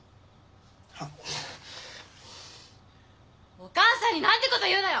お母さんになんてこと言うのよ！